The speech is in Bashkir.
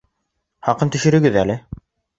Хаҡын төшөрөгөҙ әле